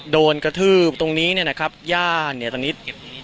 โดนกระทืบตรงนี้เนี่ยนะครับย่านเนตนิด